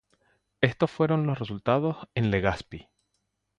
Estos fueron los resultados en Legazpi.